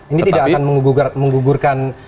ini tidak akan mengugurkan kasus ya